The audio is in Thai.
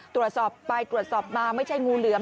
ตรวจสอบไปตรวจสอบมาไม่ใช่งูเหลือม